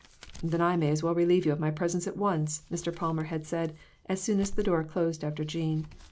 " Then I may as well relieve you of my pres ence at once," Mr. Palmer had said, as soon as the door closed after Jean.